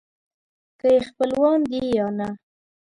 که یې خپلوان دي یا نه.